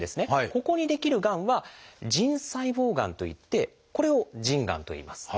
ここに出来るがんは「腎細胞がん」といってこれを「腎がん」といいます。